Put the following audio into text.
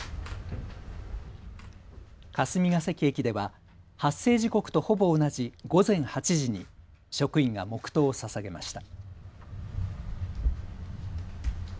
霞ケ関駅では発生時刻とほぼ同じ午前８時に職員が黙とうをささげました。